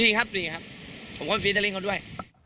ดีครับดีครับผมก็อะไร๕๘